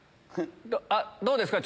どうですか？